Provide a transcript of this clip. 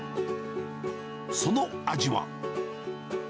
その味は。